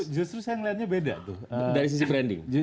justru saya ngelihatnya beda tuh